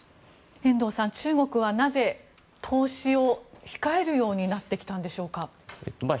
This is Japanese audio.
遠藤さん、中国はなぜ投資を控えるようになってきたんでしょうか。